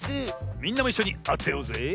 みんなもいっしょにあてようぜえ。